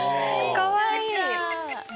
かわいい。